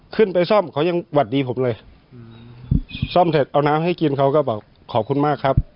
ขึ้นไปซ่อมเขายังหวัดดีผมเลยอืมซ่อมเสร็จเอาน้ำให้กินเขาก็บอกขอบคุณมากครับ